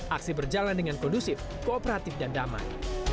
aksi berjalan dengan kondusif kooperatif dan damai